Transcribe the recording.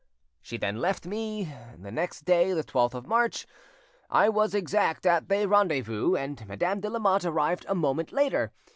She then left me. The next day, the 12th, of March, I was exact at the rendezvous, and Madame de Lamotte arrived a moment later.